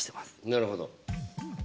なるほど。